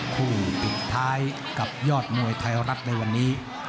ปิดท้ายกับยอดมวยไทยรัฐในวันนี้